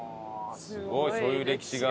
すごいそういう歴史が。